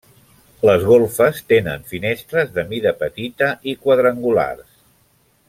Les golfes tenen finestres de mida petita i quadrangulars.